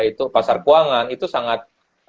itu pasar keuangan itu sangat